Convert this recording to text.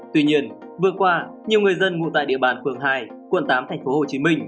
tuy nhiên vừa qua nhiều người dân ngủ tại địa bàn phường hai quận tám tp hcm